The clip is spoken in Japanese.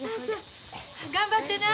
頑張ってな。